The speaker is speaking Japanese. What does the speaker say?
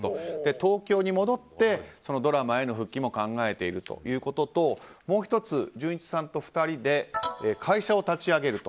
東京に戻ってドラマへの復帰も考えているということともう１つ、純一さんと２人で会社を立ち上げると。